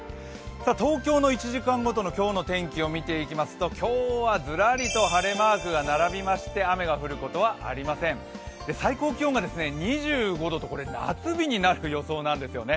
東京の１時間ごとの今日の天気を見ていきますと、今日はズラリと晴れマークが並びまして雨が降ることはありません、最高気温が２５度と夏日になるという予想なんですよね。